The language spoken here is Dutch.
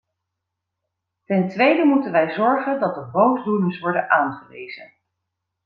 Ten tweede moeten wij zorgen dat de boosdoeners worden aangewezen.